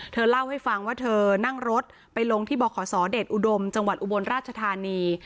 เธอเล่าให้ฟังว่าเธอนั่งรถไปลงที่บขศเดชอุดมจังหวัดอุบลราชธานี